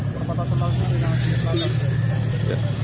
berpatah semangat di tendang asli pelanggan